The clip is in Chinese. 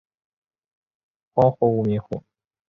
荒或无民户。